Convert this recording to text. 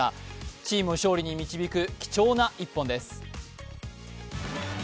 チームを勝利に導く貴重な一本です。